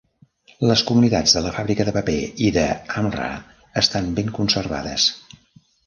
Les comunitats de la fàbrica de paper i de Hamra estan ben conservades.